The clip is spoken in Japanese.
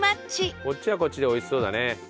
こっちはこっちでおいしそうだね。